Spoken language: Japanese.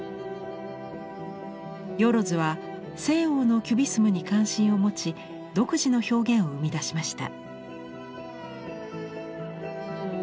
萬は西欧のキュビスムに関心を持ち独自の表現を生み出しました。